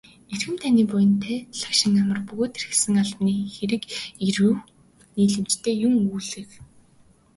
Эрхэм таны буянтай лагшин амар бөгөөд эрхэлсэн албаны хэрэг эергүү нийлэмжтэй юун өгүүлэх.